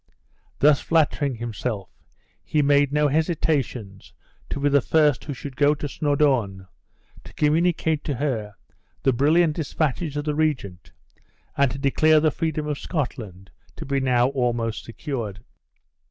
Thus flattering himself, he made no hesitations to be the first who should go to Snawdoun, to communicate to her the brilliant dispatches of the regent, and to declare the freedom of Scotland to be now almost secured.